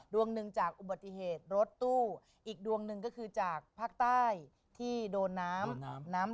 ดวงหนึ่งจากอุบัติเหตุรถตู้อีกดวงหนึ่งก็คือจากภาคใต้ที่โดนน้ำน้ำ